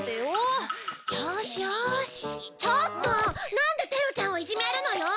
なんでペロちゃんをいじめるのよ！